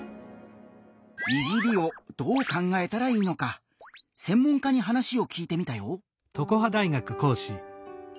「いじり」をどう考えたらいいのか専門家に話を聞いてみたよ！